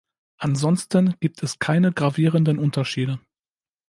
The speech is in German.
Ansonsten gibt es keine gravierenden Unterschiede.